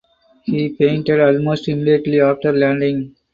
He fainted almost immediately after landing.